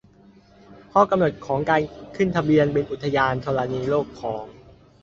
ข้อกำหนดของการขึ้นทะเบียนเป็นอุทยานธรณีโลกของ